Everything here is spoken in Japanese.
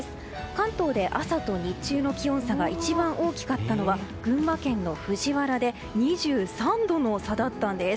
関東で、朝と日中の気温差が一番大きかったのは群馬県の藤原で２３度の差だったんです。